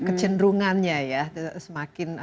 kecenderungannya ya semakin